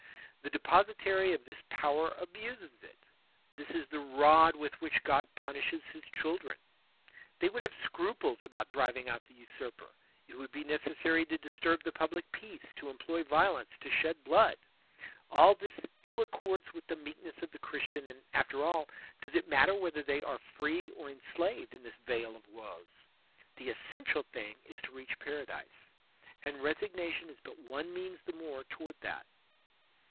The depositary of this power abuses it; this is the rod with which God pun ishes his children. They would have scruples about driving out the usurper; it would be necessary to disturb the public peace, to employ violence, to shed blood; all this ill accords with the meekness of the Christian, and, after all, does it matter whether they are free or en slaved in this vale of woes? The essential thing is to reach paradise, and resignation is but one means the more toward that.